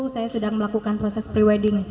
saya sedang melakukan proses prewedding